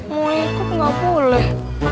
mau ikut nggak boleh